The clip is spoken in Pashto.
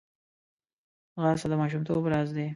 ځغاسته د ماشومتوب راز دی